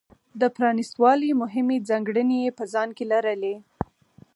د پرانېست والي مهمې ځانګړنې یې په ځان کې لرلې.